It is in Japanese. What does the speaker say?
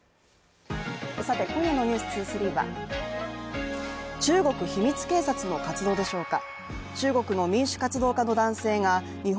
今夜の「ｎｅｗｓ２３」は中国秘密警察の活動でしょうか？